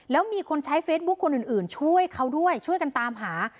แล้วมีคนใช้เฟซบุ๊คคนอื่นช่วยเขาด้วยช่วยกันตามหา